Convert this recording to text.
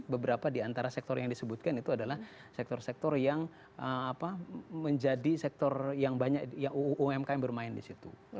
beberapa diantara sektor yang disebutkan itu adalah sektor sektor yang apa menjadi sektor yang banyak yang umkm bermain disitu